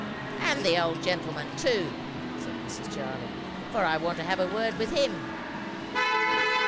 "And the old gentleman too," said Mrs. Jarley; "for I want to have a word with him.